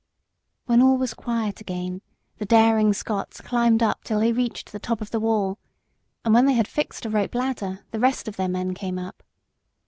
When all was quiet again, the daring Scots climbed up till they reached the top of the wall, and when they had fixed a rope ladder the rest of their men came up.